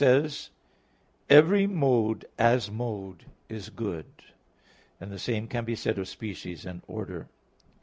xxiii), "Every mode, as mode, is good" (and the same can be said of species and order).